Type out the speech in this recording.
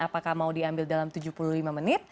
apakah mau diambil dalam tujuh puluh lima menit